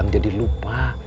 jangan jadi lupa